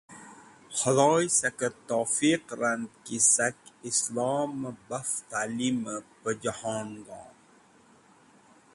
Khedhoy sakẽr tofeq rand ki sak islomẽ baf talimẽ pẽ jẽhon gon